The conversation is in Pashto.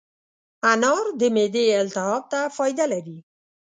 انار د معدې التهاب ته فایده لري.